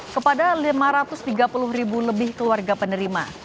kepada lima ratus tiga puluh ribu lebih keluarga penerima